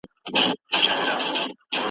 د رنځ علاج مو یو دی، یو مو دی درمان وطنه .